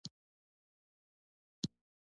انار د تندي پاکوالی زیاتوي.